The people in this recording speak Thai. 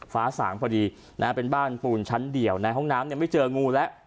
ฟ้าสางพอดีนะฮะเป็นบ้านปูนชั้นเดียวในห้องน้ำไม่เจองูแล้ว